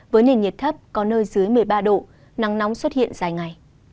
với nền nhiệt thấp có nơi dưới một mươi ba độ nắng nóng xuất hiện dài ngày